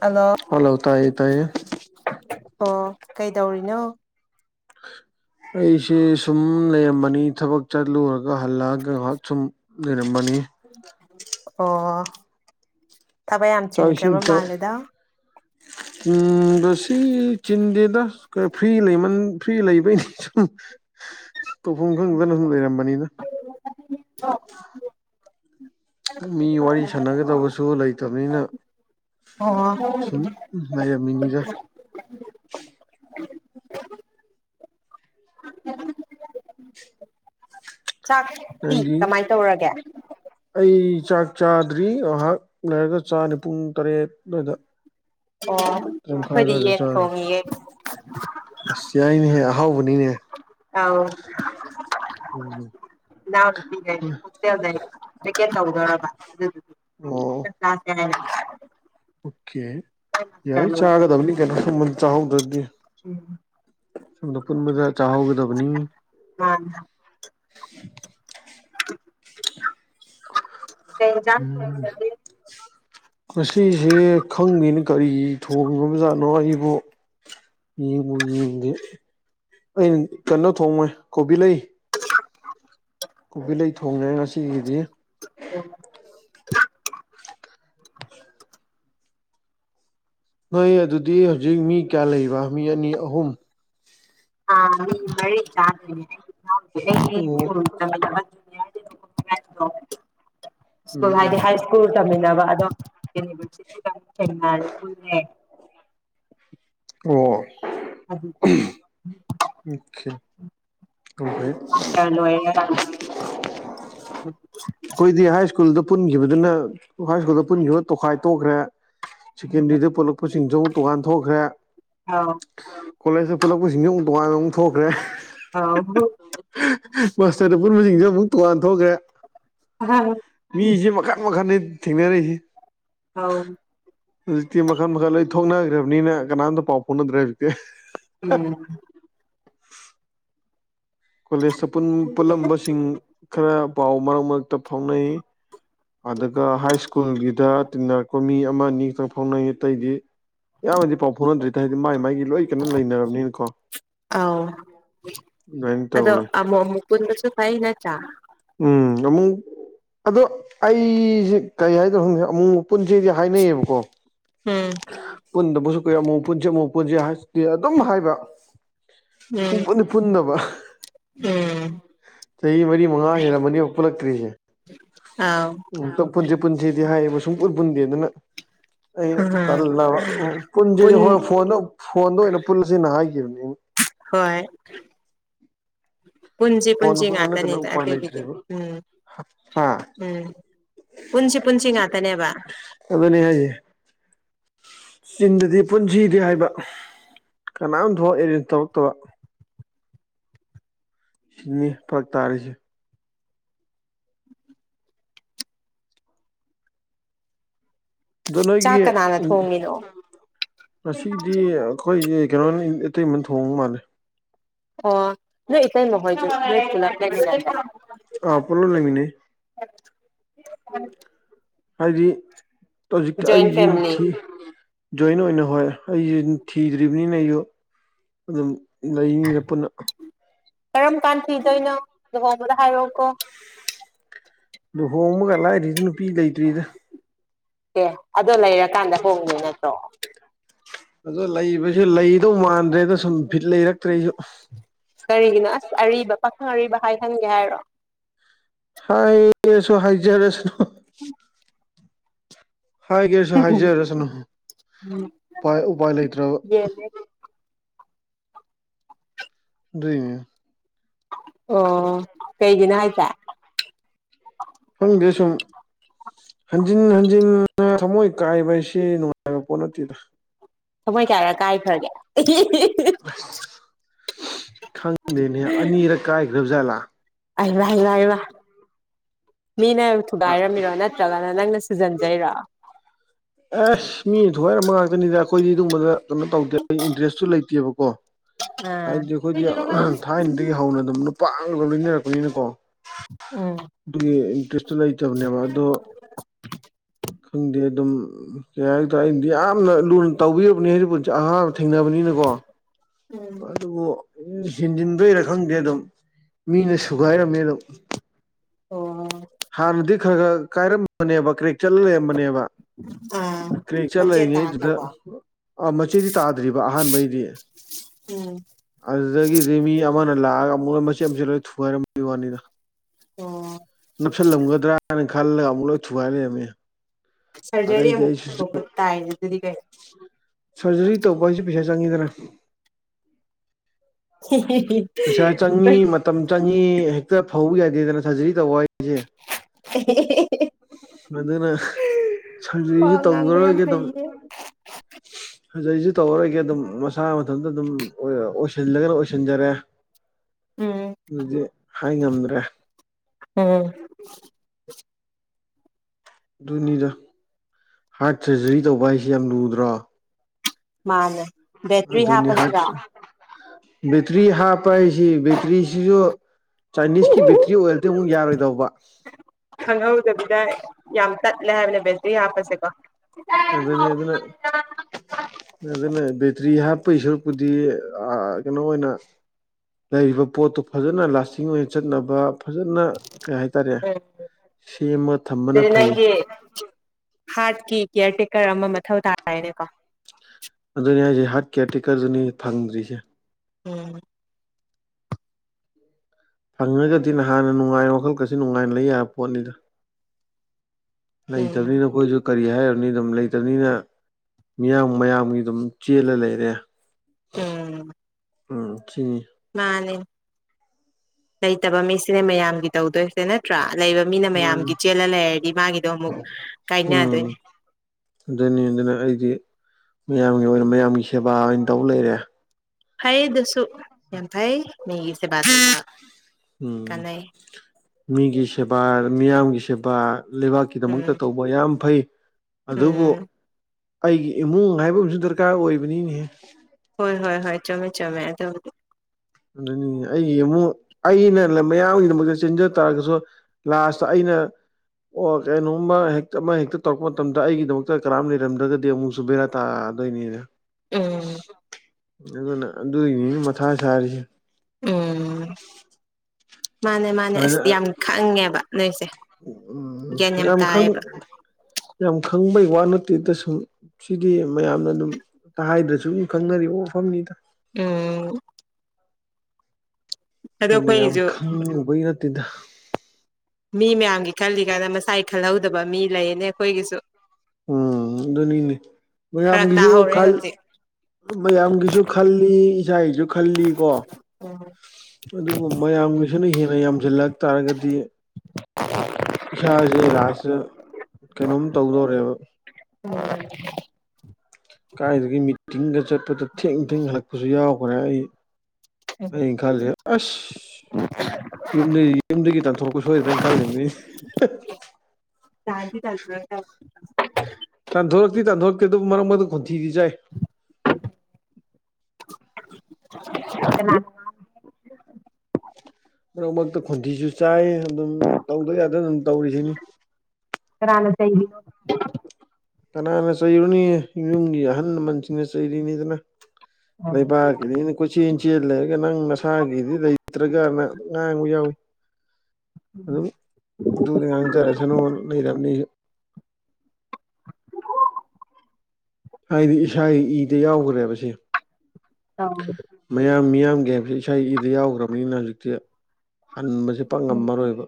Hello ꯇꯥꯏꯌꯦ ꯇꯥꯏꯌꯦ ꯑꯣ ꯀꯩꯗꯧꯔꯤꯅꯣ ꯑꯩꯁꯦ ꯁꯨꯝ ꯁꯨꯝ ꯂꯩꯔꯃꯅꯤ ꯊꯕꯛ ꯆꯠꯂꯨꯔꯒ ꯍꯜꯂꯑꯒ ꯉꯥꯏꯥꯛ ꯁꯨꯝ ꯂꯩꯔꯃꯅꯤ ꯑꯣ ꯊꯕꯛ ꯌꯥꯝ ꯆꯥꯛ ꯏꯁꯤꯡ ꯆꯤꯟꯈ꯭ꯔꯕ ꯆꯥ ꯃꯥꯜꯂꯦꯗ ꯎꯝꯗꯁꯤ ꯆꯤꯟꯗꯦꯗ ꯀꯦ ꯐ꯭ꯔꯤ ꯂꯩꯃꯟ ꯐ꯭ꯔꯤ ꯂꯩꯕꯩꯅꯤ ꯁꯨꯝ ꯇꯧꯐꯝ ꯈꯪꯗꯅ ꯁꯨꯝ ꯂꯩꯔꯝꯕꯅꯤꯅ [unintelligible] ꯃꯤ ꯋꯥꯔꯤ ꯁꯥꯟꯅꯒꯗꯕꯁꯨ ꯂꯩꯇꯕꯅꯤꯅ ꯑꯣ [unintelligible] ꯂꯩꯔꯝ ꯃꯤꯅꯤꯗ ꯆꯥꯛꯇꯤ ꯅꯪꯗꯤ ꯀꯃꯥꯏꯟ ꯇꯧꯔꯒꯦ ꯑꯩ ꯆꯥꯛ ꯆꯥꯗ꯭ꯔꯤ ꯉꯍꯥꯛ ꯂꯩꯔꯒ ꯆꯅꯤ ꯄꯨꯡ ꯇꯔꯦꯠ ꯑꯗꯨꯋꯥꯏꯗ ꯑꯣ ꯃꯈꯥꯏ ꯑꯩꯈꯣꯏꯗꯤ ꯑꯗꯨꯋꯥꯏꯗ ꯌꯦꯟ ꯆꯥꯔꯅꯤ ꯊꯣꯡꯉꯤꯌꯦ ꯑꯁ ꯌꯥꯏꯅꯦꯍꯦ ꯑꯍꯥꯎꯕꯅꯤꯅꯦ ꯑꯥꯎ ꯎꯝ [unintelligible] ꯍꯣꯇꯦꯜꯗ ꯄꯀꯦꯠ ꯇꯧꯗꯧꯔꯕ ꯑꯗꯨꯗꯨꯗꯤ ꯑꯣ ꯆꯥꯁꯦ ꯍꯥꯏꯅ [inaudible] ꯑꯣꯀꯦ ꯃꯥꯏ ꯃꯥꯁꯇꯔ ꯌꯥꯏ ꯆꯥꯒꯗꯕꯅꯤ ꯀꯩꯅ ꯁꯨꯃꯟ ꯆꯥꯍꯧꯗ꯭ꯔꯗꯤ ꯎꯝ ꯁꯨꯝꯗ ꯄꯨꯟꯕꯗ ꯆꯥꯍꯧꯒꯗꯕꯅꯤ ꯃꯥꯟꯅꯦ [inaudible] ꯀꯩ ꯏꯟꯖꯥꯡ ꯊꯣꯡꯒ꯭ꯔꯒꯦ [unintelligible] ꯉꯁꯤꯁꯦ ꯈꯪꯗꯦꯅꯦ ꯀꯔꯤ ꯊꯣꯡꯉꯕꯖꯥꯠꯅꯣ ꯑꯩꯕꯨ ꯌꯦꯡꯕꯨ ꯌꯦꯡꯒꯦ ꯑꯩ ꯀꯟꯅꯣ ꯊꯣꯡꯉꯣꯏ ꯀꯣꯕꯤ ꯂꯩ ꯀꯣꯕꯤ ꯂꯩ ꯊꯣꯡꯉꯦ ꯉꯁꯤꯒꯤꯗꯤ [unintelligible] ꯅꯣꯏ ꯑꯗꯨꯗꯤ ꯍꯧꯖꯤꯛ ꯃꯤ ꯀꯌꯥ ꯂꯩꯕ ꯃꯤ ꯑꯅꯤ ꯑꯍꯨꯝ ꯑꯥ ꯃꯤ ꯃꯔꯤ ꯆꯥꯗꯣꯏꯅꯦ ꯑꯣ ꯎꯝ ꯎꯝ [unintelligible] [unintelligible] ꯁ꯭ꯀꯨꯜ ꯇꯝꯃꯤꯟꯅꯕ ꯑꯗꯣ ꯌꯨꯅꯤꯚꯔꯁꯤꯇꯤꯒ ꯊꯦꯡꯅꯔꯦ ꯄꯨꯜꯂꯦ [unintelligible] ꯑꯣ ꯑꯗꯨ [unintelligible] ꯑꯣ ꯈꯦ ꯑꯣ [unintelligible] ꯃꯥꯁꯇꯔ ꯂꯣꯏꯔꯦ ꯑꯩꯈꯣꯏꯗꯤ ꯍꯥꯏ ꯁ꯭ꯀꯨꯜꯗ ꯄꯨꯟꯈꯤꯕꯗꯨꯅ ꯍꯥꯏ ꯁ꯭ꯀꯨꯜꯗ ꯄꯨꯟꯈꯤꯕ ꯇꯣꯈꯥꯏ ꯇꯣꯛꯈ꯭ꯔꯦ ꯁꯦꯀꯦꯟꯗ꯭ꯔꯤꯗ ꯄꯨꯜꯂꯛꯄꯁꯤꯡꯁꯨ ꯑꯃꯨꯛ ꯇꯣꯉꯥꯟ ꯊꯣꯛꯈ꯭ꯔꯦ ꯑꯧ ꯀꯣꯂꯦꯖꯇ ꯄꯨꯟꯂꯛꯄꯁꯤꯡꯁꯦ ꯑꯃꯨꯛ ꯇꯣꯉꯥꯟꯅ ꯑꯃꯨꯛ ꯊꯣꯛꯈ꯭ꯔꯦ ꯑ [unintelligible] ꯃꯥꯁꯇꯔꯗ ꯄꯨꯟꯕꯁꯤꯡꯁꯦ ꯑꯃꯨꯛ ꯇꯣꯉꯥꯟ ꯊꯣꯛꯈ꯭ꯔꯦ ꯍꯝ [unintelligible] ꯃꯤꯁꯤ ꯃꯈꯟ ꯃꯈꯜꯅꯤ ꯊꯦꯡꯅꯔꯛꯏꯁꯦ ꯍꯥꯎ ꯍꯧꯖꯤꯛꯇꯤ ꯃꯈꯜ ꯃꯈꯜ ꯂꯣꯏ ꯊꯣꯛꯅꯈ꯭ꯔꯕꯅꯤꯅ ꯀꯅꯥꯝꯇ ꯄꯥꯎ ꯐꯥꯎꯅꯗ꯭ꯔꯦ ꯍꯧꯖꯤꯛꯇꯤ ꯎꯝ ꯀꯣꯂꯦꯖꯇ ꯄꯨꯟ-ꯄꯨꯜꯂꯝꯕꯁꯤꯡ ꯈꯔ ꯄꯥꯎ ꯃꯔꯛ ꯃꯔꯛꯇ ꯐꯥꯎꯅꯩ ꯑꯗꯨꯒ ꯍꯥꯏ ꯁ꯭ꯀꯨꯜꯒꯤꯗ ꯇꯤꯟꯅꯔꯛꯄ ꯃꯤ ꯑꯃ ꯑꯅꯤ ꯈꯛ ꯐꯥꯎꯅꯩ ꯑꯇꯩꯗꯤ ꯌꯥꯝꯅꯗꯤ ꯄꯥꯎ ꯐꯥꯎꯅꯗꯦ ꯍꯥꯏꯗꯤ ꯃꯥꯏ ꯃꯒꯤ ꯂꯣꯏ ꯀꯩꯅꯣ ꯂꯩꯅꯔꯕꯅꯤꯅꯀꯣ ꯑꯧ ꯑꯗꯨꯃꯥꯏꯅ ꯇꯧꯋꯦ ꯄꯨꯨꯟꯕꯁꯨ ꯐꯥꯏ ꯅꯠꯇ꯭ꯔꯥ ꯎꯝ ꯑꯃꯨꯛ [unintelligible] ꯑꯗꯣ ꯑꯩꯁꯦ ꯀꯩ ꯍꯥꯏꯗꯣꯏꯅꯣ ꯈꯪꯗꯦ ꯑꯃꯨꯛ-ꯃꯨꯛ ꯄꯨꯟꯁꯦꯗꯤ ꯍꯥꯏꯅꯩꯌꯦꯕꯀꯣ ꯎꯝ ꯄꯨꯟꯗꯕꯁꯨ ꯀꯨꯏꯔꯦ ꯑꯃꯨꯛ-ꯃꯨꯛ ꯄꯨꯟꯁꯤ ꯑꯃꯨꯛ-ꯃꯨꯛ ꯄꯨꯟꯁꯤ ꯍꯥꯏꯗꯤ ꯑꯗꯨꯝ ꯍꯥꯏꯕ ꯎꯝ ꯁꯨꯛꯄꯨꯟꯗꯤ ꯄꯨꯟꯗꯕ ꯎꯝ ꯆꯍꯤ ꯃꯔꯤ ꯃꯉꯥ ꯍꯦꯜꯂꯝꯃꯅꯤ ꯌꯦꯉꯣ ꯄꯨꯟꯂꯛꯇꯛꯇ꯭ꯔꯤꯁꯦ ꯑꯥꯎ ꯃꯨꯛꯇꯪ ꯄꯨꯟꯖꯦ ꯄꯨꯟꯖꯦꯗꯤ ꯍꯥꯏꯌꯦꯕ ꯁꯨꯡꯄꯨꯟ ꯄꯨꯟꯗꯦ ꯑꯗꯨꯅ ꯑꯩꯅ ꯇꯜꯂꯕ ꯎꯝ ꯄꯨꯟꯖꯤꯗꯤ ꯄꯨꯟ ꯍꯣꯏ ꯐꯣꯟꯗ ꯐꯣꯟꯗ ꯑꯣꯏꯅ ꯄꯨꯜꯂꯁꯤꯅ ꯍꯥꯏꯈꯤꯕꯅꯦ꯫ ꯍꯣꯏ ꯄꯨꯟꯖꯤ ꯐꯣꯟꯗ ꯄꯨꯟꯖꯤ ꯄꯨꯟꯕ ꯅꯠꯇꯅ ꯉꯥꯛꯇꯅꯤꯗ ꯎꯄꯥꯏ ꯑꯗꯨꯒꯤꯗꯤ ꯂꯩꯇ꯭ꯔꯦꯕ ꯎꯝ꯫ ꯍꯥ ꯎꯝ ꯄꯨꯟꯁꯤ ꯄꯨꯟꯁꯤ ꯉꯥꯛꯇꯅꯦꯕ꯫ ꯊꯕꯅꯦ ꯍꯥꯏꯌꯦ ꯆꯤꯟꯗꯗꯤ ꯄꯨꯟꯁꯤꯗꯤ ꯍꯥꯏꯕ ꯀꯅꯥꯝ ꯊꯣꯛꯑ ꯑꯦꯔꯦꯟꯖ ꯇꯧꯔꯛꯇꯕ ꯁꯤꯅꯤ ꯐꯔꯛ ꯇꯥꯔꯤꯖꯦ꯫ ꯑꯗꯣ ꯆꯥꯛ ꯅꯣꯏꯒꯤ ꯀꯅꯥꯅ ꯊꯣꯡꯉꯤꯅꯣ ꯉꯁꯤꯗꯤ ꯈꯣꯏꯒꯤ ꯀꯩꯅꯣꯅ ꯏꯇꯩꯃꯅ ꯊꯣꯡꯕꯃꯥꯜꯂꯦ꯫ ꯑꯣ ꯅꯣꯏ ꯏꯇꯩꯏꯃꯍꯣꯏꯗꯤ ꯅꯣꯏ ꯄꯨꯜꯞꯄ ꯂꯩꯃꯤꯟꯅꯩꯕ꯭ꯔꯣ ꯑ ꯄꯨꯂꯞ ꯂꯩꯃꯤꯅꯩ꯫ ꯎꯝ ꯍꯥꯏꯗꯤ ꯍꯧꯖꯤꯛꯇ ꯖꯣꯏꯟ ꯑꯩꯁꯨ ꯐꯦꯃꯤꯂꯤ ꯊꯤ ꯖꯣꯏꯟ ꯑꯣꯏꯅ ꯍꯣꯏ ꯑꯩꯖꯨ ꯊꯤꯗ꯭ꯔꯤꯕꯅꯤꯅ ꯑꯩꯁꯨ ꯑꯗꯨꯝ ꯂꯩꯅꯤꯗ ꯄꯨꯟꯅ꯫ ꯀꯔꯝ ꯀꯥꯟ ꯊꯤꯗꯣꯏꯅꯣ ꯂꯨꯍꯣꯡꯕꯗ ꯍꯥꯏꯔꯧꯑꯣꯀꯣ꯫ ꯂꯨꯍꯣꯡꯕꯒ ꯂꯥꯏꯔꯤ ꯑꯗꯨ ꯅꯨꯄꯤ ꯂꯩꯇ꯭ꯔꯤꯗ꯫ ꯑꯦ ꯑꯗꯣ ꯂꯩꯔꯀꯥꯟꯗ ꯍꯣꯡꯗꯣꯏ ꯅꯠꯇ꯭ꯔꯣ꯫ ꯑꯗꯣ ꯂꯩꯕꯁꯦ ꯂꯩꯗꯧ ꯃꯥꯟꯗ꯭ꯔꯦꯗ ꯁꯨꯝ ꯐꯤꯠ ꯂꯩꯔꯛꯇ꯭ꯔꯦꯖꯨ꯫ ꯄꯥꯈꯪꯑꯔꯤꯕ ꯍꯥꯏꯍꯟꯒꯦ ꯍꯥꯏꯔꯣ꯫ ꯍꯥꯏꯔꯁꯨ ꯍꯥꯏꯖꯔꯁꯅꯨ ꯎꯝ ꯍꯥꯏꯒꯦꯁꯨ ꯍꯥꯏꯖꯔꯁꯅꯨ ꯄꯥꯏ ꯎꯄꯥꯏ ꯂꯩꯇ꯭ꯔꯕ꯫ [unintelligible] ꯗꯨꯏꯅꯦ ꯑꯣ ꯀꯩꯒꯤꯅꯦ ꯍꯥꯏꯖꯦ꯫ ꯈꯪꯗꯦ ꯁꯨꯝ ꯍꯟꯖꯤꯟ ꯍꯟꯖꯤꯟꯅ ꯊꯃꯣꯏ ꯀꯥꯏꯕ ꯍꯥꯏꯁꯤ ꯅꯨꯡꯉꯥꯏꯕ ꯄꯣꯠ ꯅꯠꯇꯦꯗ꯫ ꯊꯃꯣꯏ ꯀꯥꯋꯔꯛ ꯀꯥꯏꯈ꯭ꯔꯒꯦ ꯈꯪꯗꯦꯅꯦ ꯑꯅꯤꯔꯛ ꯀꯥꯏꯒ꯭ꯔꯕ ꯖꯥꯠꯂꯥ꯫ ꯑꯩ ꯃꯥ ꯑꯩ ꯃ ꯋꯥ ꯃꯤꯅ ꯊꯨꯒꯥꯏꯔꯝꯃꯤꯔꯣ ꯅꯠ ꯇ꯭ꯔꯒꯅ ꯅꯪꯅ ꯁꯨꯖꯟꯖꯩꯔꯣ ꯑꯦꯁ ꯃꯤꯅ ꯊꯨꯒꯥꯏꯔꯝꯕ ꯉꯛ ꯇꯅꯤꯗ ꯑꯈꯣꯏꯗꯤ ꯑꯗꯨꯕꯗ ꯀꯩꯅꯣ ꯇꯧꯗꯦ ꯑꯩ ꯏꯟꯇꯔꯦꯁꯁꯨ ꯂꯩꯇꯦꯕꯀꯣ ꯑꯥ ꯍꯥꯏꯗꯤ ꯑꯈꯣꯏꯗꯤ ꯊꯥꯏꯅꯗꯒꯤ ꯍꯧꯅ ꯑꯗꯨꯝ ꯅꯨꯄꯥ [unintelligible] ꯂꯣꯏꯅꯔꯛꯄꯅꯤꯅꯀꯣ ꯎꯝ ꯑꯗꯨꯒꯤ ꯏꯟꯇꯔꯦꯁꯇꯣ ꯂꯩꯇꯕꯅꯦꯕ ꯑꯗꯣ ꯈꯪꯗꯦ ꯑꯗꯨꯝ ꯀꯩ ꯍꯥꯏꯇꯥꯔꯦ ꯑꯩꯗꯤ ꯌꯥꯝꯅ ꯂꯨꯅ ꯇꯧꯕꯤꯔꯨꯕꯅꯦ ꯄꯨꯆ ꯑꯍꯥꯟ ꯊꯦꯡꯅꯕꯅꯤꯅꯀꯣ ꯎꯝ ꯑꯗꯨꯕꯨ ꯍꯦꯟꯖꯤꯟꯕꯩꯔ ꯈꯪꯗꯦ ꯑꯗꯨꯝ ꯃꯤꯅ ꯁꯨꯒꯥꯏꯔꯝꯃꯦ ꯑꯗꯨꯝ ꯑꯣ ꯍꯥꯟꯅꯗꯤ ꯈꯔꯒ ꯀꯥꯏꯔꯝꯕꯅꯦꯕ ꯀ꯭ꯔꯦꯛ ꯆꯠꯂ ꯂꯩꯔꯝꯕꯅꯦꯕ ꯑꯥ ꯀ꯭ꯔꯦꯛ ꯆꯠ ꯃꯆꯦꯠ ꯂꯩꯔꯤꯉꯩꯗꯨꯗ ꯇꯥꯈ꯭ꯔꯕꯣ ꯑ ꯃꯆꯦꯠꯗꯤ ꯇꯥꯗ꯭ꯔꯤꯕ ꯑꯍꯥꯟꯕꯩꯗꯤ ꯎꯝ ꯑꯗꯨꯗꯒꯤꯗꯤ ꯃꯤ ꯑꯃꯅ ꯂꯥꯛꯑꯒ ꯑꯃꯨꯛ ꯃꯆꯦꯠ ꯃꯆꯦꯠ ꯂꯣꯏ ꯊꯨꯔꯝꯒꯤ ꯋꯥꯅꯤꯅ ꯑꯣ ꯅꯞꯁꯜꯂꯝꯒꯗ꯭ꯔꯥꯅ ꯈꯜꯂꯒ ꯑꯃꯨꯛ ꯂꯣꯏ ꯊꯨꯒꯥꯏ ꯂꯩꯔꯝꯃꯦ ꯁꯔꯖꯔꯤ ꯑꯗꯩꯗꯤ ꯑꯃꯨꯛ ꯑꯩꯁꯨ ꯇꯧꯊꯣꯛꯄ ꯇꯥꯏꯅꯦ ꯑꯗꯨꯗꯤ ꯁꯔꯖꯔꯤ ꯇꯧꯕ ꯍꯥꯏꯖꯦ ꯄꯩꯁꯥ ꯆꯪꯉꯤꯗꯅ [unintelligible] ꯄꯩꯁꯥ ꯆꯪꯉꯤ ꯃꯇꯝ ꯆꯪꯏ ꯍꯦꯛꯇ ꯐꯧꯕ ꯌꯥꯗꯦꯗꯅ ꯁꯔꯖꯔꯤ ꯇꯧꯕ ꯍꯥꯁꯦ ꯑꯗꯨꯅ ꯋꯥ ꯁꯔꯖꯔꯤꯁꯨ ꯉꯥꯡꯕ ꯌꯥꯝ ꯇꯧꯒꯔꯣꯏꯒꯦ ꯑꯗꯨꯝ ꯍꯩꯌꯦ [unintelligible] ꯁꯔꯖꯔꯤꯁꯨ ꯇꯧꯔꯔꯣꯏꯒꯦ ꯑꯗꯨꯝ ꯃꯁꯥ ꯃꯊꯟꯗ ꯑꯗꯨꯝ ꯑꯣꯏꯁꯤꯜꯂꯒꯅ ꯑꯣꯏꯁꯤꯟꯖꯔꯦ ꯎꯝ ꯑꯗꯨꯗꯤ ꯍꯥꯏ ꯉꯝꯗ꯭ꯔꯦ ꯎꯝ ꯑꯗꯨꯅꯤꯗ ꯍꯥꯔꯠ ꯁꯔꯖꯔꯤ ꯇꯧꯕ ꯍꯥꯏꯁꯤꯦ ꯌꯥꯝ ꯂꯨꯗ꯭ꯔꯣ ꯃꯥꯅꯦ ꯕꯦꯇ꯭ꯔꯤ ꯑꯗꯨꯅꯤ ꯍꯥꯔꯠ ꯍꯥꯞꯄꯁꯤꯔ ꯕꯦꯇ꯭ꯔꯤ ꯍꯥꯞꯄꯥꯏꯁꯤ ꯕꯦꯇ꯭ꯔꯤꯁꯤꯁꯨ ꯆꯥꯏꯅꯤꯁꯀꯤ ꯕꯦꯇ꯭ꯔꯤ ꯑꯣꯏꯜꯗꯤ ꯑꯃꯨꯛ ꯌꯥꯔꯣꯏꯗꯧꯕ ꯈꯪꯍꯧꯗꯕꯤꯗ ꯌꯥꯝ ꯇꯠꯂꯦ ꯍꯥꯏꯕꯅꯦ ꯕꯦꯁꯇ꯭ꯔꯤ ꯍꯥꯞꯄꯁꯦꯀꯣ ꯑꯗꯨꯗꯅꯦ ꯑꯗꯨꯅ ꯑꯗꯨꯅ ꯕꯦꯇ꯭ꯔꯤ ꯍꯥꯞꯄꯒꯤ ꯁꯔꯨꯛꯄꯨꯗꯤ ꯀꯩꯅꯣ ꯑꯣꯏꯅ ꯂꯩꯔꯤꯕ ꯄꯣꯠꯇꯨ ꯐꯖꯅ ꯂꯥꯁꯇꯤꯡ ꯑꯣꯏꯅ ꯆꯠꯅꯕ ꯐꯖꯅ ꯀꯩ ꯍꯥꯏꯇꯥꯔꯦ ꯁꯦꯝꯃ ꯊꯝꯕꯅ ꯑꯗꯨꯗꯤ ꯐꯩ ꯅꯪꯒꯤ ꯍꯥꯔꯠꯀꯤ ꯀꯤꯌꯥꯔ ꯇꯦꯀꯔ ꯑꯃ ꯃꯊꯧ ꯇꯥꯔꯅꯦ ꯀꯣ ꯑꯗꯨꯅꯦ ꯑꯩꯁꯦ ꯍꯥꯔꯠ ꯀꯦꯌꯥꯔ ꯇꯦꯛꯀꯔꯗꯨꯅꯤ ꯐꯪꯗ꯭ꯔꯤꯁꯦ ꯎꯝ ꯐꯪꯉꯒꯗꯤ ꯅꯍꯥꯟꯅ ꯅꯨꯡꯉꯥꯏ ꯋꯥꯈꯜꯀꯁꯨ ꯅꯨꯡꯉꯥꯏꯅ ꯂꯩ ꯌꯥꯕ ꯄꯣꯠꯅꯤꯗ ꯎꯝ ꯂꯩꯇꯕꯅꯤꯅ ꯑꯩꯈꯣꯏꯁꯨ ꯀꯔꯤ ꯍꯥꯏꯔꯕꯅꯤ ꯑꯗꯨꯝ ꯂꯩꯇꯕꯅꯤꯅ ꯃꯤꯌꯥꯝ ꯃꯌꯥꯝꯒꯤ ꯑꯗꯨꯝ ꯆꯦꯜꯂ ꯂꯩꯔꯦ ꯎꯝ ꯎꯝ ꯁꯤꯅꯤ ꯃꯥꯅꯦ ꯂꯩꯇꯕ ꯃꯤꯁꯤꯅꯦ ꯃꯌꯥꯝꯒꯤ ꯇꯧꯗꯣꯏ ꯁꯤ ꯅꯠꯇ꯭ꯔꯥ ꯂꯩꯕ ꯃꯤꯅ ꯃꯌꯥꯝꯒꯤ ꯆꯦꯜꯂ ꯂꯩꯔꯗꯤ ꯃꯥꯒꯤꯗꯣ ꯑꯃꯨꯛ ꯎꯝ ꯀꯥꯏꯅꯗꯣꯏꯅꯦ ꯑꯗꯨꯅꯤ ꯑꯗꯨꯅ ꯑꯩꯗꯤ ꯃꯌꯥꯝꯒꯤ ꯑꯣꯏꯅ ꯃꯌꯥꯝꯒꯤ ꯁꯦꯕꯥ ꯑꯣꯏꯅ ꯇꯧꯕ ꯂꯩꯔꯦ ꯐꯩꯑꯗꯨꯁꯨ ꯌꯥꯝ ꯐꯩ ꯃꯤꯒꯤ ꯁꯦꯕ ꯇꯧꯕ ꯎꯝ ꯀꯥꯟꯅꯩ ꯃꯤꯒꯤ ꯁꯦꯕꯥ ꯃꯤꯌꯥꯝꯒꯤ ꯁꯦꯕꯥ ꯂꯩꯕꯥꯛꯀꯤꯗꯃꯛꯇ ꯎꯝ ꯇꯧꯕ ꯑꯣ ꯌꯥꯝ ꯐꯩ ꯑꯗꯨꯕꯨ ꯎꯝ ꯑꯩꯒꯤ ꯏꯃꯨꯡ ꯍꯥꯏꯕ ꯑꯃꯁꯨ ꯗꯔꯀꯥꯔ ꯑꯣꯏꯕꯅꯤꯅꯦꯍꯦ ꯍꯣꯏ ꯍꯣꯏ ꯍꯣꯏ ꯆꯨꯝꯃꯦ ꯆꯨꯝꯃꯦ ꯑꯗꯨ ꯑꯗꯨꯅꯤ ꯑꯩꯒꯤ ꯑꯃꯨꯛ ꯑꯩꯅ ꯂꯝ ꯃꯌꯥꯝꯒꯤꯗꯃꯛꯇ ꯆꯦꯟꯖ ꯇꯥꯔꯒꯁꯨ ꯂꯥꯁꯇ ꯑꯩꯅ ꯑꯣ ꯀꯩꯅꯣꯝꯃ ꯍꯦꯛꯇ ꯑꯃ ꯍꯦꯛꯇ ꯇꯧꯔꯛꯄ ꯃꯇꯝꯗ ꯑꯩꯒꯤꯗꯃꯛꯇ ꯀꯔꯝ ꯂꯩꯔꯝꯗ꯭ꯔꯒꯗꯤ ꯑꯃꯨꯛꯁꯨ ꯕꯦꯔꯥ ꯇꯥꯗꯣꯏꯅꯦꯅ꯫ ꯎꯝ ꯑꯗꯨꯅ ꯑꯗꯨꯒꯤꯅꯤ ꯃꯊꯥ ꯁꯥꯔꯤꯁꯦ꯫ ꯎꯝ ꯃꯥꯅꯦ ꯃꯥꯅꯦ ꯑꯁꯤꯁꯗꯤ ꯑꯗꯨꯃꯥꯏꯅ ꯌꯥꯝ ꯈꯪꯉꯦꯕ ꯅꯣꯏꯁꯦ꯫ ꯎꯝ ꯒꯌ꯭ꯥꯟ ꯌꯥꯝ ꯈꯪ ꯇꯥꯑꯕ꯫ ꯌꯥꯝ ꯈꯪꯕꯩ ꯋꯥ ꯅꯠꯇꯦꯗ ꯁꯨꯝ ꯁꯤꯗꯤ ꯃꯌꯥꯝꯅ ꯑꯗꯨꯝ ꯇꯥꯏꯗ꯭ꯔꯁꯨ ꯑꯗꯨꯝ ꯈꯪꯅꯔꯤꯕ ꯋꯥꯐꯝꯅꯤꯗ ꯎꯝ ꯑꯗꯣ ꯍꯣꯏꯅ ꯌꯥꯝ ꯑꯩꯈꯣꯏꯒꯤꯁꯨ ꯈꯪꯕꯩ ꯅꯠꯇꯗ ꯃꯤ ꯃꯌꯥꯝꯒꯤ ꯈꯜꯂꯤ ꯀꯥꯟꯗ ꯃꯁꯥꯒꯤ ꯈꯜꯍꯧꯗꯕ ꯃꯤ ꯂꯩꯌꯦꯅꯦ ꯑꯩꯈꯣꯏꯒꯤꯁꯨ ꯎꯝ ꯑꯗꯨꯅꯤꯅꯦ ꯐꯔꯛ ꯃꯌꯥꯝꯒꯤꯁꯨ ꯇꯥꯍꯧꯔꯦ ꯈꯜ ꯍꯧꯖꯤꯛ ꯃꯌꯥꯝꯒꯤꯁꯨ ꯈꯜꯂꯤ ꯏꯁꯥꯒꯤꯁꯨ ꯈꯜꯂꯤ ꯀꯣ ꯎꯝ ꯑꯗꯨꯕꯨ ꯃꯌꯥꯝꯒꯤꯁꯤꯅ ꯍꯦꯟꯅ ꯌꯥꯝꯁꯤꯜꯂꯛ ꯇꯥꯔꯒꯗꯤ꯫ ꯏꯁꯥꯁꯦ ꯂꯥꯁꯇ ꯀꯩꯅꯣꯝ ꯇꯧꯗꯧꯔꯦꯕ ꯎꯝ ꯀꯥꯏꯗꯒꯤ ꯃꯤꯇꯤꯡꯒ ꯆꯠꯄꯗ ꯊꯦꯡ ꯊꯦꯡ ꯍꯜꯂꯛꯄꯁꯨ ꯌꯥꯎꯈ꯭ꯔꯦ ꯑꯩ ꯑꯩ ꯈꯥꯜꯂꯤꯁꯦ ꯑꯁ ꯌꯨꯝꯗꯒꯤ ꯌꯨꯝꯗꯒꯤ ꯇꯥꯟꯊꯣꯔꯛꯄ ꯁꯣꯏꯗ꯭ꯔꯅ ꯈꯜꯂꯤ ꯃꯤ ꯇꯟꯗꯤ ꯇꯥꯨꯔꯔ ꯇꯥꯟꯊꯣꯔꯛꯇꯤ ꯇꯥꯟꯊꯣꯔꯛꯇꯦ ꯑꯗꯨꯕꯨ ꯃꯔꯛ ꯃꯔꯛꯇ ꯈꯣꯟꯊꯤꯗꯤ ꯆꯥꯏ ꯀꯅꯥꯅ ꯃꯔꯛ ꯃꯔꯛꯇ ꯈꯣꯟꯗꯤꯤꯁꯨ ꯆꯥꯏ ꯑꯗꯨꯝ ꯇꯧꯗ ꯌꯥꯗ ꯑꯗꯨꯝ ꯇꯧꯔꯤꯁꯤꯅꯤ꯫ ꯇꯥꯅ ꯆꯩꯕꯤꯅꯣ ꯀꯅꯥꯅ ꯆꯩꯔꯨꯅꯤꯌꯦ ꯌꯨꯝꯒꯤ ꯑꯍꯜ ꯂꯃꯟꯁꯤꯡꯅ ꯆꯩꯔꯤꯅꯤꯗꯅ ꯂꯩꯕꯥꯛ ꯀ ꯑꯩꯅ ꯀꯣꯏꯆꯦꯟ ꯆꯦꯜ ꯂꯩꯔꯒ ꯅꯪ ꯃꯁꯥꯒꯤꯗꯤ ꯂꯩꯇ꯭ꯔꯒ ꯅꯪ ꯉꯥꯡꯕ ꯌꯥꯎꯏꯤ꯫ ꯑꯗꯨꯝ ꯑꯗꯨꯗꯤ ꯉꯥꯡꯖꯔꯁꯅꯨ ꯂꯩꯔꯕꯅꯤ ꯑꯩꯁꯨ꯫ ꯍꯥꯏꯗꯤ ꯏꯁꯥꯒꯤ ꯏꯗ ꯌꯥꯎꯈ꯭ꯔꯦꯕ ꯁꯤ꯫ [unintelligible] ꯃꯌꯥꯝ ꯃꯤꯌꯥꯝꯒꯤ ꯍꯥꯏꯕꯁꯦ ꯏꯁ ꯏꯗ ꯌꯥꯎꯈ꯭ꯔꯕꯅꯤꯅ ꯍꯧꯖꯤꯛꯇꯤ ꯍꯟꯕꯁꯦ꯫ ꯄꯛ ꯉꯝꯃꯔꯣꯏꯕ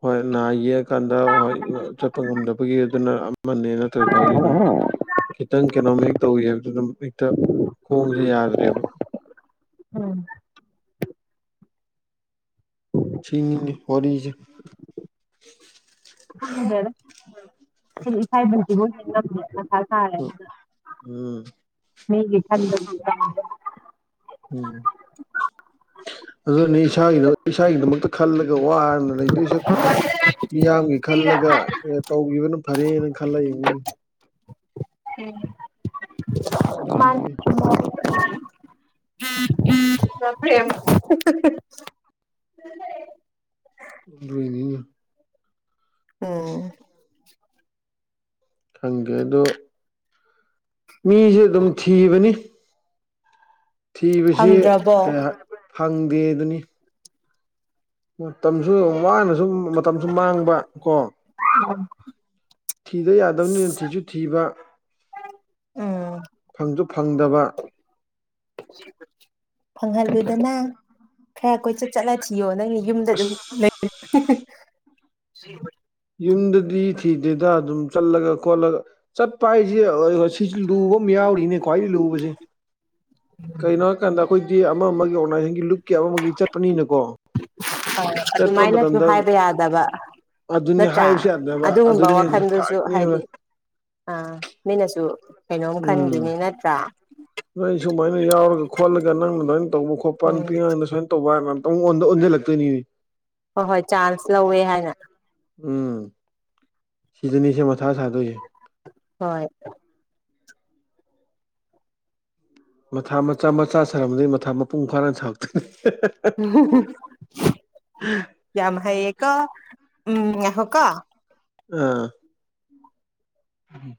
ꯍꯣꯏ ꯅꯍ ꯌꯦꯛꯑꯀꯥꯟꯗ ꯍꯣꯏ ꯆꯠꯄ ꯉꯝꯗꯕꯒꯤ ꯑꯗꯨꯅ ꯑꯃꯅꯦ ꯅꯠꯇ꯭ꯔꯒ ꯐꯥꯎꯗꯤ ꯑꯗꯨꯝ ꯈꯤꯇꯪ ꯀꯩꯅꯣꯝ ꯍꯦꯛ ꯇꯧꯏꯤ ꯍꯥꯏꯕꯗꯨ ꯑꯗꯨꯝ ꯍꯦꯛꯇ ꯈꯣꯡꯁꯦ ꯌꯥꯗ꯭ꯔꯦꯕ ꯎꯝ ꯁꯤꯅꯤ ꯋꯔꯤꯁꯦ꯫ ꯉꯪꯗꯦꯗ ꯏꯁꯥꯕꯁꯤꯕꯨ ꯍ ꯉꯝꯗ꯭ꯔꯦ ꯃꯈꯥ ꯁꯥꯥꯔꯦꯅ꯫ ꯎꯝ ꯃꯤꯒꯤ ꯈꯟꯕꯒꯤ ꯎꯝ ꯑꯗꯨꯅꯤ ꯏꯁꯥꯒꯤꯗ ꯏꯁꯥꯒꯤꯗꯃꯛꯇ ꯈꯜꯂꯒ ꯋꯥꯅ ꯂꯩꯗꯣꯏ ꯁꯛꯄꯨꯗꯤ꯫ ꯃꯤꯌꯥꯝꯒꯤ ꯈꯜꯂꯒ ꯀ ꯇꯧꯈꯤꯕꯅ ꯐꯔꯦꯅ ꯈꯜꯂꯛꯏ ꯎꯝ ꯃꯅꯤ꯫ [inaudible] ꯑꯗꯨꯏꯅꯤ [inaudible] ꯑꯗꯨꯏꯅꯤꯅ꯫ ꯎꯝ ꯈꯪꯗꯔ꯭ꯦ ꯑꯗꯣ ꯃꯤꯁꯨ ꯑꯗꯨꯝ ꯊꯤꯕꯅꯤ꯫ ꯊꯤꯕꯁꯤ ꯐꯪꯗ꯭ꯔꯕꯣ ꯀꯌꯥ ꯐꯪꯗꯦ ꯑꯗꯨꯅꯤ꯫ ꯃꯇꯝꯁꯨ ꯋꯥꯅꯁꯨ ꯃꯇꯝꯁꯨ ꯃꯥꯡꯕ ꯀꯣ ꯎꯝ ꯊꯤꯗ ꯌꯥꯗꯕꯅꯤꯅ ꯊꯤꯁꯨ ꯊꯤꯕ ꯎꯝ ꯐꯪꯁꯨ ꯐꯪꯗꯕ [inaudible] ꯐꯪꯍꯜꯂꯣꯏꯗꯅ ꯈꯔ ꯀꯣꯏꯆꯠ ꯆꯠꯂ ꯊꯤꯌꯣ ꯅꯪꯅꯦ ꯌꯨꯝꯗ ꯑꯗꯨꯝ ꯎꯝ ꯌꯨꯝꯗꯗꯤ ꯊꯤꯗꯦꯗ ꯑꯗꯨꯝ ꯆꯠꯂꯒ ꯈꯣꯠꯂꯒ ꯆꯠꯄ ꯍꯥꯏꯁꯦ ꯁꯤꯁꯨ ꯂꯨꯕ ꯑꯃ ꯌꯥꯎꯔꯤꯅꯦ ꯈ꯭ꯋꯥꯏꯗꯒꯤ ꯂꯨꯕꯁꯦ ꯀꯩꯅꯣ ꯍꯥꯏꯀꯥꯟꯗ ꯑꯩꯈꯣꯏꯗꯤ ꯑꯃ ꯑꯃꯒꯤ ꯑꯣꯔꯒꯅꯥꯏꯖꯦꯁꯟꯒꯤ ꯂꯨꯞꯀꯤ ꯑꯃꯒꯤ ꯆꯠꯄꯅꯤꯅꯀꯣ ꯍ ꯆꯠꯄ ꯑꯗꯨꯃꯥꯏꯅꯁꯨ ꯃꯇꯝꯗ ꯍꯥꯏꯕ ꯌꯥꯗꯕ ꯑꯗꯨꯅꯤ ꯅꯠꯇ꯭ꯔꯥ ꯍꯥꯏꯕꯁꯨ ꯌꯥꯗꯕ ꯑꯗꯨꯒꯨꯝꯕ ꯑꯗꯨꯅꯤ ꯋꯥꯈꯜꯗꯨꯁꯨ ꯐꯔꯛꯅꯦꯕ ꯍꯥꯏꯗꯤ ꯑ ꯃꯤꯅꯁꯨ ꯀꯩꯅꯣꯝ ꯎꯝ ꯈꯟꯈꯤꯅꯤ ꯅꯠꯇ꯭ꯔꯥ ꯅꯣꯏ ꯑꯩ ꯁꯨꯃꯥꯏꯅ ꯌꯥꯎꯔꯒ ꯈꯣꯠꯂꯒ ꯅꯪꯅ ꯂꯣꯏꯅ ꯇꯧꯕ ꯈꯣꯠꯄ ꯎꯝ ꯅꯨꯄꯤꯤꯀꯥꯡꯗ ꯁꯨꯃꯥꯏꯅ ꯇꯧꯕ ꯍꯥꯏꯔ ꯑꯣꯟꯁꯤꯜꯂꯛꯇꯣꯏꯅꯤꯅꯦ ꯍꯣꯏ ꯍꯣꯏ ꯆꯥꯟꯁ ꯂꯧꯋꯦ ꯍꯥꯏꯅ ꯎꯝ ꯁꯤꯗꯅꯤꯁꯦ ꯃꯊꯥ ꯁꯥꯗꯣꯏꯁꯦ ꯍꯣꯏ ꯃꯊꯥ ꯃꯆꯥ ꯃꯆꯥ ꯁꯥꯔꯝꯝꯕꯗꯒꯤ ꯃꯊꯥ ꯃꯄꯨꯡ ꯐꯥꯅ ꯁꯥꯔꯛꯇꯦ ꯌꯥꯃ ꯑꯦꯀ ꯎꯝ ꯌꯥꯍ ꯀ ꯑꯥ ꯎꯝ